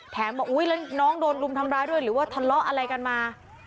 บอกอุ๊ยแล้วน้องโดนรุมทำร้ายด้วยหรือว่าทะเลาะอะไรกันมา